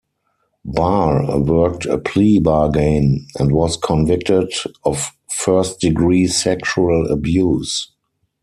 Barr worked a plea-bargain, and was convicted of first-degree sexual abuse.